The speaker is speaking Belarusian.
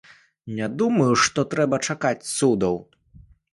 Не думаю, што трэба чакаць цудаў.